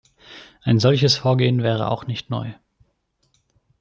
Ein solches Vorgehen wäre auch nicht neu.